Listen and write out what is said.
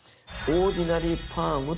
オーディナリー・パーム。